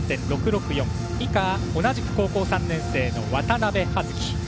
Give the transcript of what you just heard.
以下、同じく高校３年生の渡部葉月。